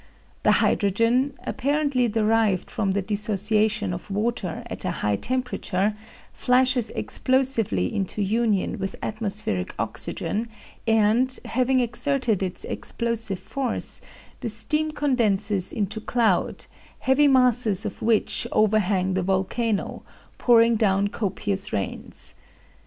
The hydrogen, apparently derived from the dissociation of water at a high temperature, flashes explosively into union with atmospheric oxygen, and, having exerted its explosive force, the steam condenses into cloud, heavy masses of which overhang the volcano, pouring down copious rains.